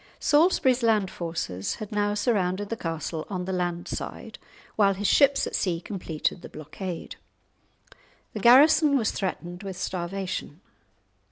Salisbury's land forces had now surrounded the castle on the land side, while his ships at sea completed the blockade. The garrison was threatened with starvation.